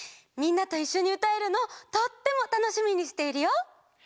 みんなといっしょにうたえるのとってもたのしみにしているよ。